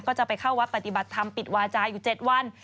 ก็จะไปเข้าวัดปฏิบัติธรรมปิดวาจาอยู่๗วัน